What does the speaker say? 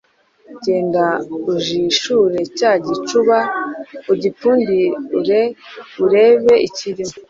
Genda ujishure cya gicuba, ugipfundure, urebe ikirimo."